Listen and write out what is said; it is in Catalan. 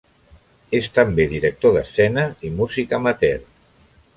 És també director d'escena i músic amateur.